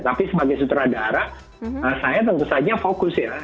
tapi sebagai sutradara saya tentu saja fokus ya